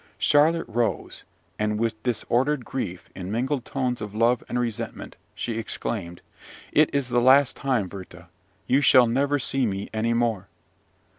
Charlotte rose, and, with disordered grief, in mingled tones of love and resentment, she exclaimed, "It is the last time, Werther! You shall never see me any more!"